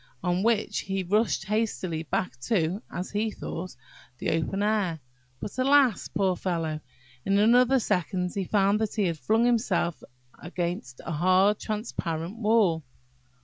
on which he rushed hastily back to (as he thought) the open air. But, alas! poor fellow, in another second he found that he had flung himself against a hard transparent wall!